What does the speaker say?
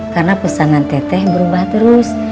karena pesanan teteh berubah terus